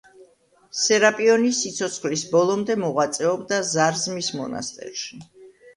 სერაპიონი სიცოცხლის ბოლომდე მოღვაწეობდა ზარზმის მონასტერში.